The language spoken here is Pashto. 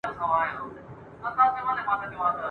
ګوندي د زړه په کوه طور کي مي موسی ووینم ..